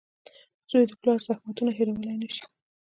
• زوی د پلار زحمتونه هېرولی نه شي.